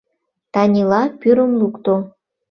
Танила пӱрым лукто.